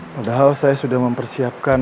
padahal saya sudah mempersiapkan